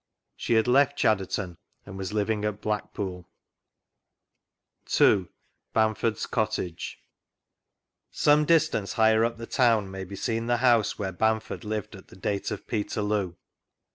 She had left Chadderton, and was living at BlackpooL 2.— BAMFORDS COTTAGE, Some distance higher up the town may be seen the house where Bamford lived at the date <rf Peterioo.